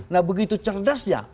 nah begitu cerdasnya